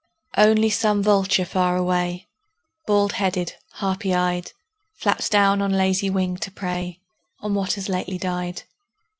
Only some vulture far away, Bald headed, harpy eyed, Flaps down on lazy wing to prey On what has lately died.